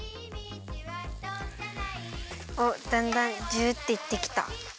おっだんだんジュッていってきた。